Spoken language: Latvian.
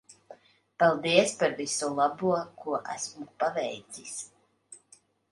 Paldies par visu labo ko esmu paveicis.